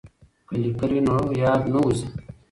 که لیکل وي نو یاد نه وځي.